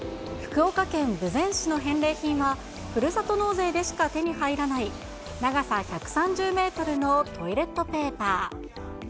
福岡県豊前市の返礼品は、ふるさと納税でしか手に入らない、長さ１３０メートルのトイレットペーパー。